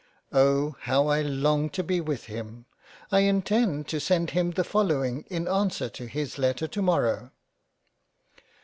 Oh ! how I long to be with him ! I intend to send him the following in answer to his Letter tomorrow.